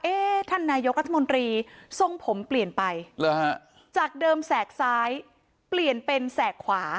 ท่านนายกรัฐมนตรีทรงผมเปลี่ยนไปจากเดิมแสกซ้ายเปลี่ยนเป็นแสกขวา